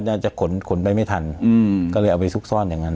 จะขนขนไปไม่ทันก็เลยเอาไปซุกซ่อนอย่างนั้น